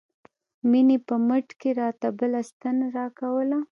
مينې په مټ کښې راته بله ستن راولګوله.